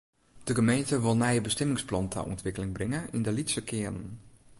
De gemeente wol nije bestimmingsplannen ta ûntwikkeling bringe yn de lytse kearnen.